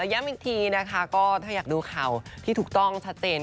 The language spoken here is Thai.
ย้ำอีกทีนะคะก็ถ้าอยากดูข่าวที่ถูกต้องชัดเจน